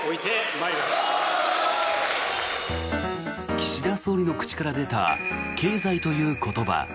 岸田総理の口から出た経済という言葉。